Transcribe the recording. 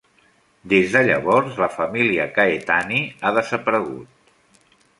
Des de llavors, la família Caetani ha desaparegut.